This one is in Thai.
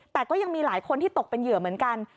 แต่ก็ยังมีหลายคนที่ตกเป็นเหยื่อเหมือนกัน